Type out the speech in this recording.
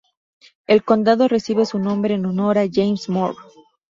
El condado recibe su nombre en honor a James Monroe.